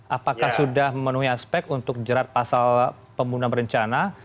apakah sudah memenuhi aspek untuk jerat pasal pembunuhan berencana